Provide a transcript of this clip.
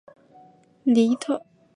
犁头鳅为平鳍鳅科犁头鳅属的鱼类。